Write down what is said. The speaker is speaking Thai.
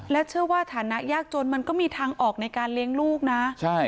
เชื่อว่าฐานะยากจนมันก็มีทางออกในการเลี้ยงลูกนะใช่